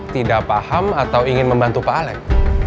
tidak paham atau ingin membantu pak alex